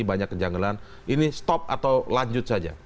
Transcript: banyak kejanggalan ini stop atau lanjut saja